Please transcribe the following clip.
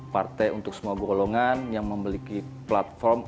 partai untuk semua golongan yang memiliki platform